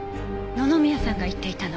野々宮さんが言っていたの。